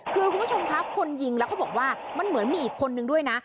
คือคุณผู้ชมครับคนยิงแล้วเขาบอกว่ามันเหมือนมีอีกคนนึงด้วยนะ